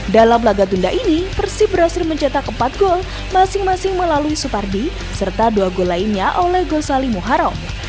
dalam laga tunda ini persib berhasil mencetak empat gol masing masing melalui supardi serta dua gol lainnya oleh gosali muharram